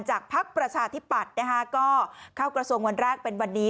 จากภักดิ์ประชาธิบัตรก็เข้ากระทรวงวันแรกเป็นวันนี้